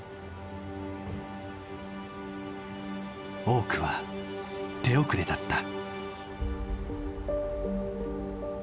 多くは手遅れだった。